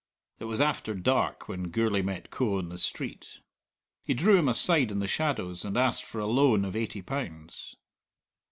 It was after dark when Gourlay met Coe on the street. He drew him aside in the shadows, and asked for a loan of eighty pounds.